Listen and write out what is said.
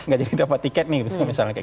gak jadi dapat tiket nih